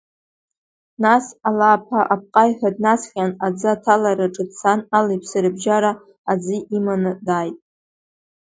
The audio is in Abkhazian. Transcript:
Нас ала аԥа апҟаҩҳәа днаҵҟьан, аӡы аҭаларҭаҿы дцан, али-ԥси рыбжьара аӡы иманы дааит.